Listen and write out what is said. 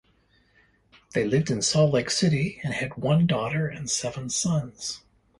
They lived in Salt Lake City and had one daughter and seven sons.